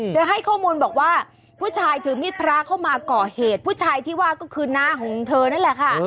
ให้ข้อมูลบอกว่าผู้ชายถือมีดพระเข้ามาก่อเหตุผู้ชายที่ว่าก็คือน้าของเธอนั่นแหละค่ะ